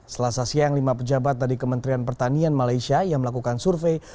selasa siang lima pejabat dari kementerian pertanian malaysia yang melakukan survei